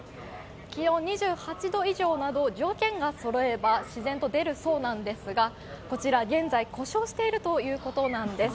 気温２８度以上など、条件がそろえば自然と出るそうなんですがこちら現在、故障しているということなんです。